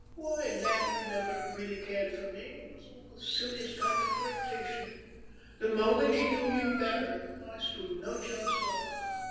"Why, Landry never really cared for me. It was all the silliest kind of flirtation. The moment he knew you better, I stood no chance at all."